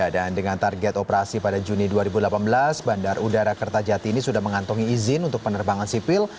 dan dengan target operasi pada juni dua ribu delapan belas bandar udara kertajati ini sudah mengantungi izin untuk penerbangan sipil